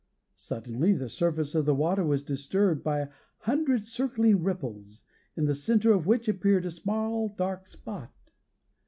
Suddenly the surface of the water was disturbed by a hundred circling ripples, in the centre of which appeared a small dark spot.